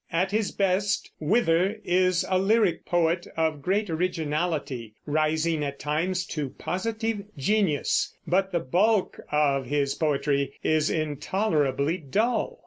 At his best Wither is a lyric poet of great originality, rising at times to positive genius; but the bulk of his poetry is intolerably dull.